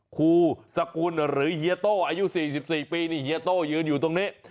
ครูสกุลหรือเฮียโต้อายุ๔๔ปีนี่เฮียโต้ยืนอยู่ตรงนี้